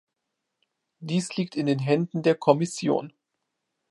Dies liegt in den Händen der Kommission.